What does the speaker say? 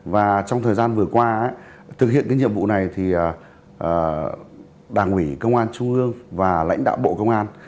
và trong thời gian vừa qua thực hiện nhiệm vụ này đảng quỷ công an trung ương và lãnh đạo bộ công an